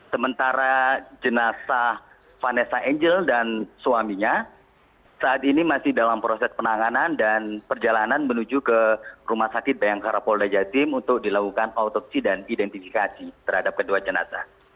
sementara jenazah vanessa angel dan suaminya saat ini masih dalam proses penanganan dan perjalanan menuju ke rumah sakit bayangkara polda jatim untuk dilakukan autopsi dan identifikasi terhadap kedua jenazah